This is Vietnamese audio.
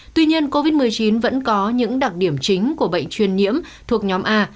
tuy nhiên covid một mươi chín vẫn có những đặc điểm chính của bệnh truyền nhiễm thuộc nhóm a